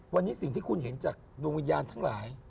วันนี้สิ่งที่คุณเห็นจากดวงวิญญาณทั้งหลาย